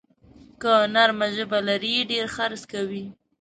که نرمه ژبه لرې، ډېر خرڅ کوې.